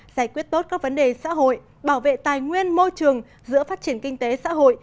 giải quyết tốt các vấn đề xã hội bảo vệ tài nguyên môi trường giữa phát triển kinh tế xã hội